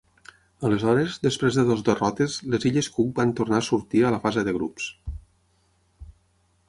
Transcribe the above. Aleshores, després de dues derrotes, les illes Cook van tornar sortir a la fase de grups.